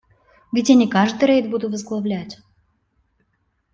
Ведь я не каждый рейд буду возглавлять.